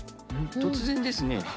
突然ですね。